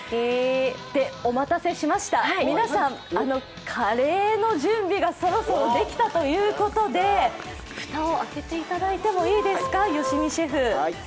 お待たせしました、皆さん、カレーの準備がそろそろできたということで蓋を開けていただいてもいいですか、吉見シェフ。